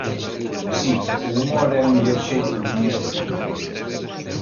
Si, o humor é o mellor xeito de poñer distancia.